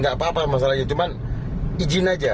gak apa apa masalahnya cuma izin aja